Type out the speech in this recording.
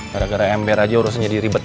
gara gara ember aja harusnya diribet begini